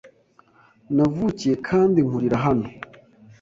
Navukiye kandi nkurira hano.